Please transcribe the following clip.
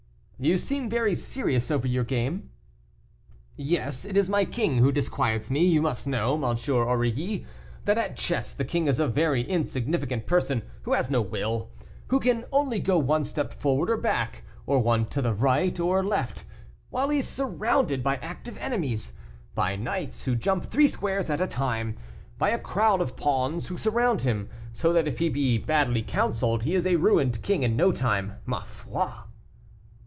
"You seem very serious over your game." "Yes, it is my king who disquiets me; you must know, M. Aurilly, that at chess the king is a very insignificant person, who has no will, who can only go one step forward or back, or one to the right or left, while he is surrounded by active enemies, by knights who jump three squares at a time, by a crowd of pawns who surround him, so that if he be badly counseled he is a ruined king in no time, ma foi."